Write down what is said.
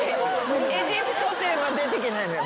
エジプト展は出ていけないのよ。